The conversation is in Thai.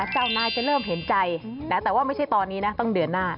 เจ้านายจะเริ่มเห็นใจแต่ว่าไม่ใช่ตอนนี้นะต้องเดือนหน้า